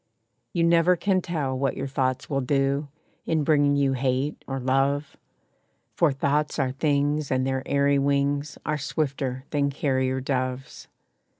You never can tell what your thoughts will do, In bringing you hate or love; For thoughts are things, and their airy wings Are swifter than carrier doves.